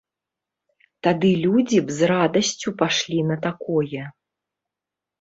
Тады людзі б з радасцю пайшлі на такое.